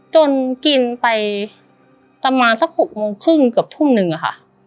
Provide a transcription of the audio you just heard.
จนกินไปประมาณสัก๖โมงครึ่งเกือบทุ่มนึงอะค่ะ